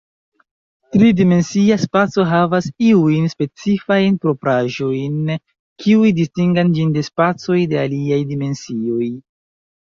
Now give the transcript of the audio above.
Tri-dimensia spaco havas iujn specifajn propraĵojn, kiuj distingan ĝin de spacoj de aliaj dimensioj.